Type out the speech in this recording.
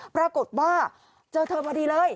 ปรากฏว่าเจอเธอพอดีเลย